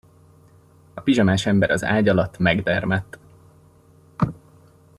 A pizsamás ember az ágy alatt megdermedt.